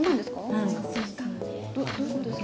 うんどどういうことですか？